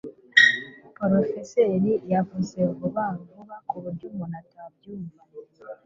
Porofeseri yavuze vuba vuba kuburyo umuntu atabyumva.